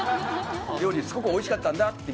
料理すごくおいしかったって